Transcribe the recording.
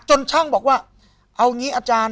จนช่างบอกว่าเอาอย่างนี้อาจารย์